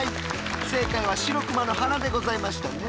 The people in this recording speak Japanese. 正解はシロクマの鼻でございましたね。